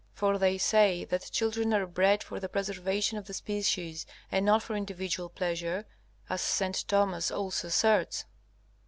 For they say that children are bred for the preservation of the species and not for individual pleasure, as St. Thomas also asserts.